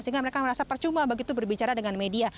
sehingga mereka merasa percuma begitu berbicara dengan media